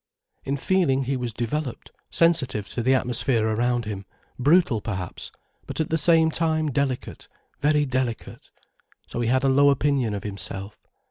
In feeling he was developed, sensitive to the atmosphere around him, brutal perhaps, but at the same time delicate, very delicate. So he had a low opinion of himself.